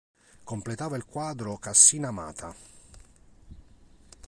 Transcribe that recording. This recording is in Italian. Completava il quadro Cassina Amata.